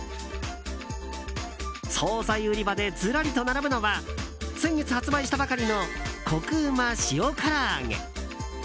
総菜売り場で、ずらりと並ぶのは先月発売したばかりのコク旨塩唐揚。